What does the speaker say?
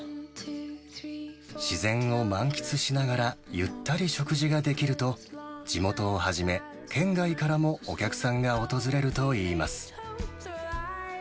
自然を満喫しながら、ゆったり食事ができると、地元をはじめ、県外からもお客さんが訪れるといいます。